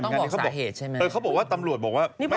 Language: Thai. ต้องบอกสาเหตุใช่ไหมเออเขาบอกว่าตำรวจบอกว่า